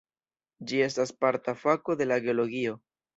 Ĝi estas parta fako de la geologio.